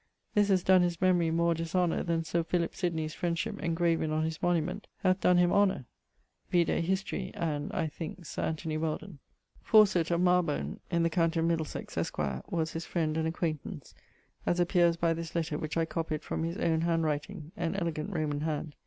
This has donne his memorie more dishonour then Sir Philip Sydney's friendship engraven on his monument hath donne him honour. Vide ... History, and (I thinke) Sir Anthony Weldon. ... Faucet, of Marybon in the county of Middlesex, esqr., was his friend and acquaintance, as appeares by this letter which I copied from his owne handwriting (an elegant Roman hand).